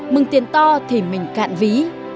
mừng tiền to thì mình cạn ví